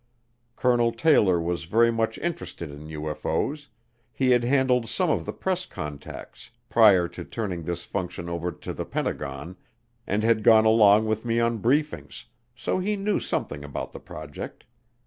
Colonel Taylor was very much interested in UFO's; he had handled some of the press contacts prior to turning this function over to the Pentagon and had gone along with me on briefings, so he knew something about the project.